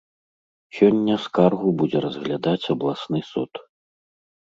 Сёння скаргу будзе разглядаць абласны суд.